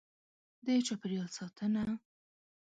. د چاپېریال ساتنه: